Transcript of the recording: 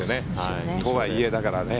とはいえ、だからね。